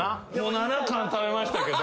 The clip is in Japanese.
７貫食べましたけど。